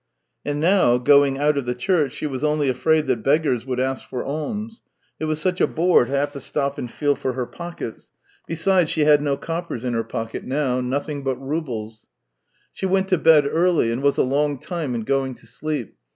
And now, going out of the church, she was only afraid that beggars woiild ask for alms; it was such a bore to have to stop and feel for her pockets; besides, she had no coppers in her pocket now — nothing but roubles. THREE YEARS 269 She went to bed early, and was a long time in going to sleep.